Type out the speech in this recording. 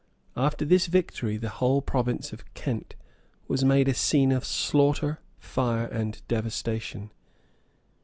After this victory, the whole province of Kent was made a scene of slaughter, fire, and devastation.